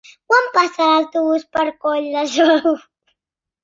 Quan passa l'autobús per Colldejou?